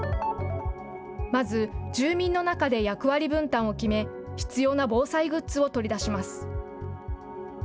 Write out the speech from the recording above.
まず、住民の中で役割分担を決め、必要な防災グッズを取り出します。